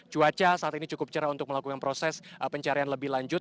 cuaca saat ini cukup cerah untuk melakukan proses pencarian lebih lanjut